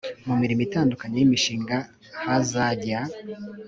mu mirimo itandukanye y imishinga hazajya